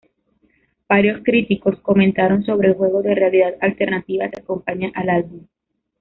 Varios críticos comentaron sobre el juego de realidad alternativa que acompaña al álbum.